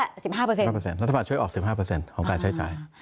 รัฐบาลช่วยออก๑๕ของการใช้จ่าย